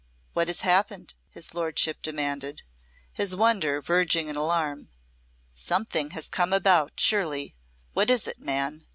"What has happened?" his lordship demanded, his wonder verging in alarm. "Something has come about, surely. What is it, man?